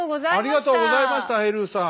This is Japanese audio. ありがとうございましたヘルーさん。